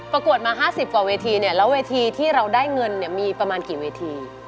ประกวดมา๕๐กว่าเวทีเนี่ยแล้วเวทีที่เราได้เงินเนี่ยมีประมาณกี่เวที